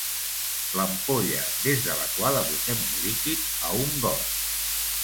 L'ampolla des de la qual aboquem un líquid a un got.